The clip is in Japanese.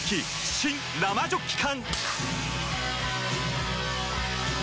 新・生ジョッキ缶！